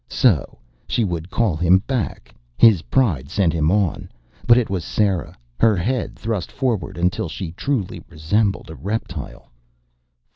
So, she would call him back! His pride sent him on. But it was Sera. Her head thrust forward until she truly resembled a reptile.